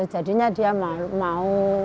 jadinya dia mau